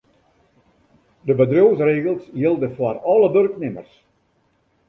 De bedriuwsregels jilde foar alle wurknimmers.